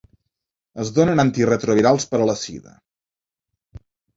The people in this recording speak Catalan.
Es donen antiretrovirals per a la sida.